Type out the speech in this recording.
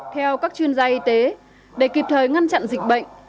theo các chuyên gia y tế để kịp thời ngăn chặn dịch bệnh